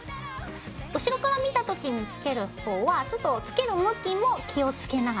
後ろから見た時に付ける方はちょっと付ける向きも気を付けながらね。